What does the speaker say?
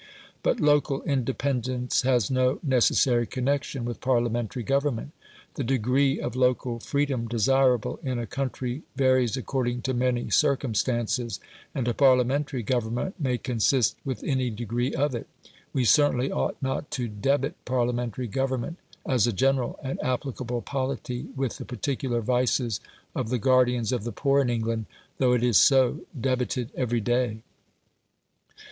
But local independence has no necessary connection with Parliamentary government. The degree of local freedom desirable in a country varies according to many circumstances, and a Parliamentary government may consist with any degree of it. We certainly ought not to debit Parliamentary government as a general and applicable polity with the particular vices of the guardians of the poor in England, though it is so debited every day.